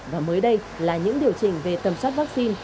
và mới đây là những điều chỉnh về tầm soát vaccine